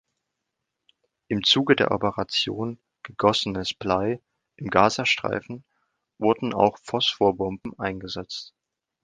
Im Zuge der Operation Gegossenes Blei im Gazastreifen wurden auch Phosphorbomben eingesetzt.